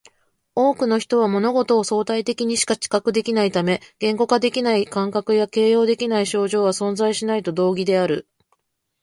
多くの人は物事を相対的にしか知覚できないため、言語化できない感覚や形容できない症状は存在しないと同義である